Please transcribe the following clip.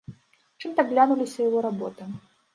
Чым так глянуліся яго работы?